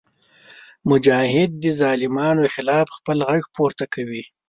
مجاهد د ظالمانو خلاف خپل غږ پورته کوي.